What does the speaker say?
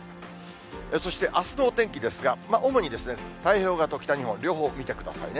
そしてあすのお天気ですが、主に太平洋側と北日本、両方見てくださいね。